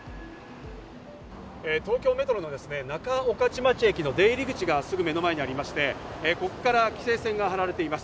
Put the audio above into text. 東京メトロの仲御徒町駅の出入り口がすぐ目の前にありまして、ここから規制線が張られています。